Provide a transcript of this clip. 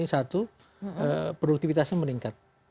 pada saat itu produktivitasnya meningkat